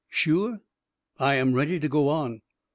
"Sure?" 44 1 am ready to go on."